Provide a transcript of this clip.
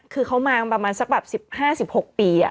คือเขามาประมาณสักแบบ๑๕๑๖ปี